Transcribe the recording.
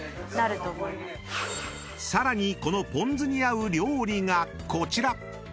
［さらにこのぽん酢に合う料理がこちら］